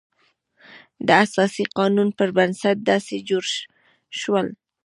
د اساسي قانون پر بنسټ داسې جوړ شول.